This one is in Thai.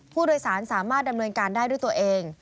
ผู้โดยสารสามารถดำเนินการได้ด้วยตัวเอง